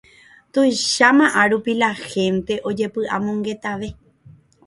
tuicháma árupi la hente ojepy'amongetave